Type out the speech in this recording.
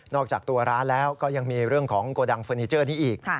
จากตัวร้านแล้วก็ยังมีเรื่องของโกดังเฟอร์นิเจอร์นี้อีก